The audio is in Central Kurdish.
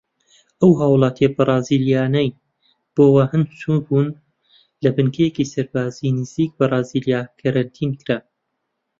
ئەو هاوڵاتیە بەرازیلیانەی بۆ ووهان چوو بوون لە بنکەیەکی سەربازی نزیکی بەرازیلیا کەرەنتین کران.